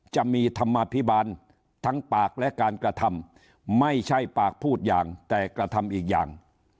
จะมีธรรมภิบาลทั้งปากและการกระทำไม่ใช่ปากพูดอย่างแต่กระทำอีกอย่าง